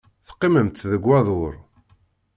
Teqqimemt deg wadur.